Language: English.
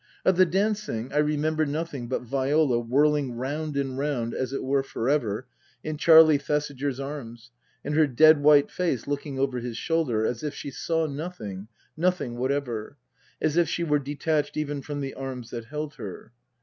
Of the dancing I remember nothing but Viola whirling round and round, as it were for ever, in Charlie Thesiger's arms, and her dead white face looking over his shoulder, as if she saw nothing, nothing whatever ; as if she were detached even from the arms that held her.